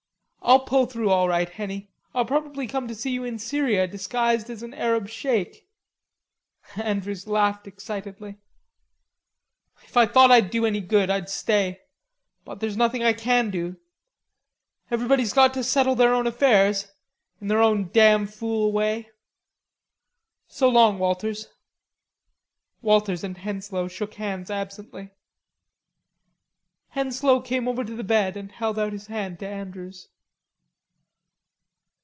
"I'll pull through all right, Henny. I'll probably come to see you in Syria, disguised as an Arab sheik." Andrews laughed excitedly. "If I thought I'd do any good, I'd stay.... But there's nothing I can do. Everybody's got to settle their own affairs, in their own damn fool way. So long, Walters." Walters and Henslowe shook hands absently. Henslowe came over to the bed and held out his hand to Andrews.